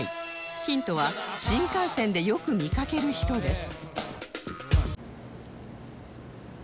ヒントは「新幹線でよく見かける人」です